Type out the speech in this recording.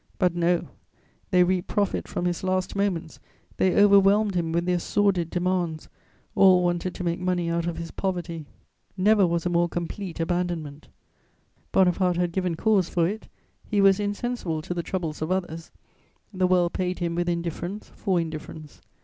But no: they reaped profit from his last moments; they overwhelmed him with their sordid demands; all wanted to make money out of his poverty. [Sidenote: Abandonment of Napoleon.] Never was a more complete abandonment; Bonaparte had given cause for it: he was insensible to the troubles of others; the world paid him with indifference for indifference.